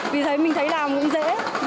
vì mình thấy làm cũng dễ